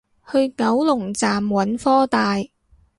去九龍站揾科大